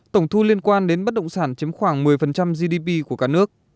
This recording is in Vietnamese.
tổng thu liên quan đến bất động sản chiếm khoảng một mươi gdp của cả nước